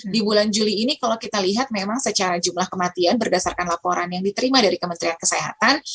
di bulan juli ini kalau kita lihat memang secara jumlah kematian berdasarkan laporan yang diterima dari kementerian kesehatan